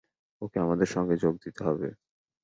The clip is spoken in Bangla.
ওকেও আমাদের সঙ্গে যোগ দিতে হবে।